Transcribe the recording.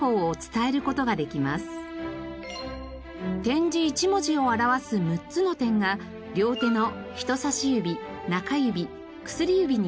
点字１文字を表す６つの点が両手の人さし指中指薬指に対応。